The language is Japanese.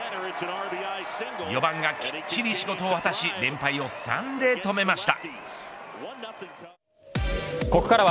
４番がきっちり仕事を果たし連敗を３で止めました。